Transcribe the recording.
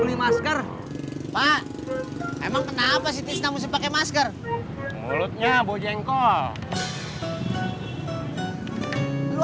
beli masker pak emang kenapa sih tisna musik pakai masker mulutnya bojengkol lu ada aja